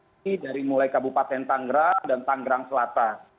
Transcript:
ini dari mulai kabupaten tangerang dan tanggerang selatan